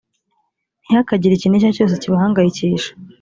ntihakagire ikintu icyo ari cyo cyose kibahangayikisha